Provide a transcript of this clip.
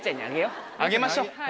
あげましょう。